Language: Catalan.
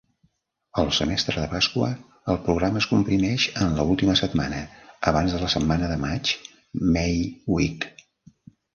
Al semestre de Pasqua, el programa es comprimeix en l'última setmana, abans de la Setmana de maig ('May Week').